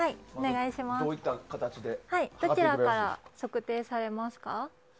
どちらから測定されますか？